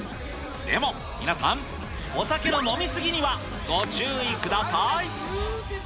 でも、皆さん、お酒の飲み過ぎにはご注意ください。